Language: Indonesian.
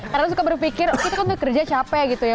karena suka berpikir kita kan kerja capek gitu ya